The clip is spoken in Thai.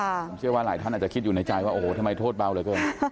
ผมเชื่อว่าหลายท่านอาจจะคิดอยู่ในใจว่าโอ้โหทำไมโทษเบาเหลือเกิน